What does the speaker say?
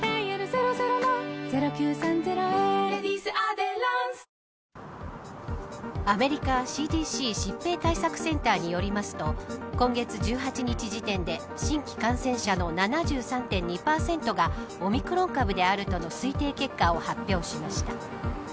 新潟も雪か雨でちょっとアメリカＣＤＣ疾病対策センターによりますと今月１８日時点で新規感染者の７３．２％がオミクロン株であるとの推定結果を発表しました。